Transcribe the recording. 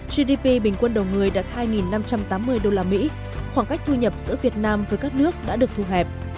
gdp bình quân đầu người đạt hai năm trăm tám mươi usd khoảng cách thu nhập giữa việt nam với các nước đã được thu hẹp